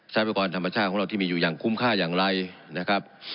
พยากรธรรมชาติของเราที่มีอยู่อย่างคุ้มค่าอย่างไรนะครับ